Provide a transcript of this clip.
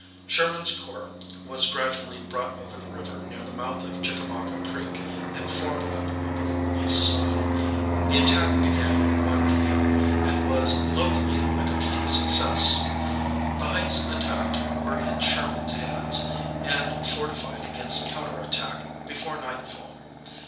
Sherman's corps was gradually brought over the river near the mouth of Chickamauga Creek, and formed up on the east side. [Illustration: Confederate line of defence.] The attack began at 1 P.M. and was locally a complete success. The heights attacked were in Sherman's hands, and fortified against counter attack, before nightfall.